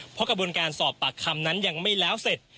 เพราะกระบวนการสอบปากคำนั้นยังไม่แล้วเสร็จ